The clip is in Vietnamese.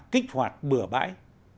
kích hoạt bửa bãi